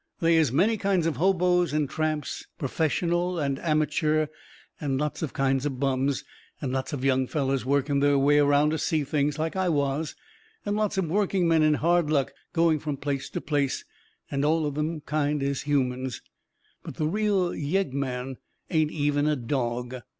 They is many kinds of hobos and tramps, perfessional and amachure, and lots of kinds of bums, and lots of young fellers working their way around to see things, like I was, and lots of working men in hard luck going from place to place, and all them kinds is humans. But the real yeggman ain't even a dog.